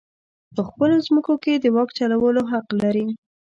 په خپلو مځکو کې د واک چلولو حق لري.